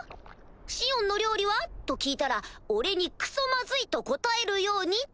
「シオンの料理は？」と聞いたら俺に「クソまずい」と答えるようにと。